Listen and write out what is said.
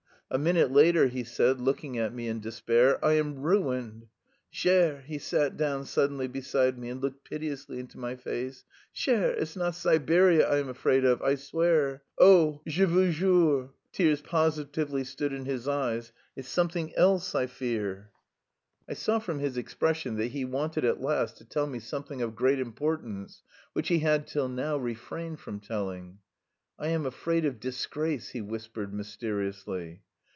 A minute later he said, looking at me in despair: "I am ruined! Cher" he sat down suddenly beside me and looked piteously into my face "cher, it's not Siberia I am afraid of, I swear. Oh, je vous jure!" (Tears positively stood in his eyes.) "It's something else I fear." I saw from his expression that he wanted at last to tell me something of great importance which he had till now refrained from telling. "I am afraid of disgrace," he whispered mysteriously.